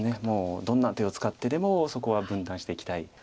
もうどんな手を使ってでもそこは分断していきたい。